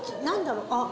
何だろう？